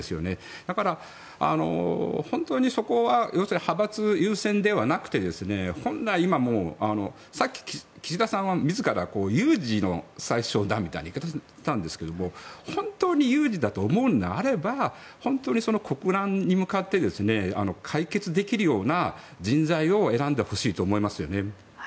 だから、本当にそこは要するに派閥優先ではなくてさっき岸田さんは自ら有事の宰相だみたいな言い方をしてましたが本当に有事だと思うのであれば本当に国難に向かって解決できるような人材を選んでほしいと思いますよね。